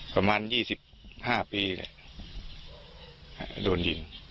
ประมาณ๒๕ปีโดนยิง